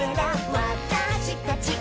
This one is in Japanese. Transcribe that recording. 「わたしたちを」